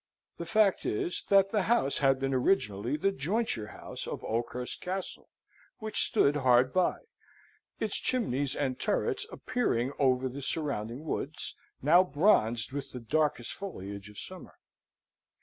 The fact is, that the house had been originally the jointure house of Oakhurst Castle, which stood hard by, its chimneys and turrets appearing over the surrounding woods, now bronzed with the darkest foliage of summer.